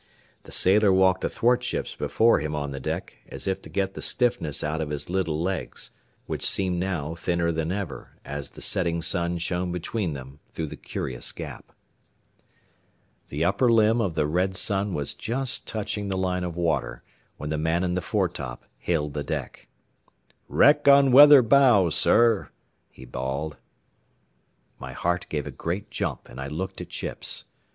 The sailor walked athwartships before him on the deck as if to get the stiffness out of his little legs, which seemed now thinner than ever, as the setting sun shone between them through the curious gap. The upper limb of the red sun was just touching the line of water when the man in the foretop hailed the deck. "Wreck on weather bow, sir!" he bawled. My heart gave a great jump and I looked at Chips.